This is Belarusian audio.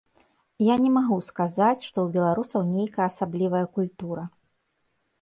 Я не магу сказаць, што ў беларусаў нейкая асаблівая культура.